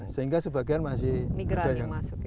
sehingga sebagian masih kerja yang masuk